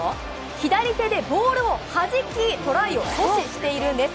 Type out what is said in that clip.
左手でボールを弾きトライを阻止しているんです。